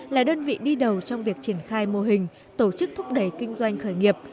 là đơn vị đi đầu trong việc triển khai mô hình tổ chức thúc đẩy kinh doanh khởi nghiệp